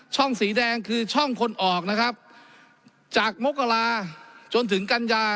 สีแดงคือช่องคนออกนะครับจากมกราจนถึงกันยา